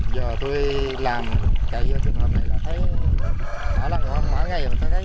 giờ tôi làm chạy vào trường hợp này là thấy mỗi lần mỗi ngày